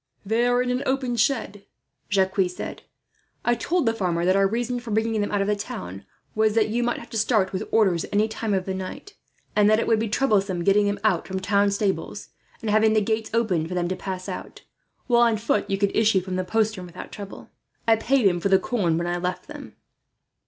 "They are in an open shed," Jacques said. "I told the farmer that our reason for bringing them out of the town was that you might have to start with orders, any time in the night; and that it would be troublesome getting them out from town stables, and having the gates opened for them to pass out; while, on foot, you could issue from the postern without trouble. I paid him for the corn when I left them."